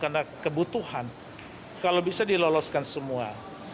karena kebutuhan kalau bisa diloloskan semua